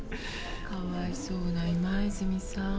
かわいそうな今泉さん。